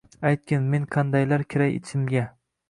Aytgin, men qandaylar kiray ichimga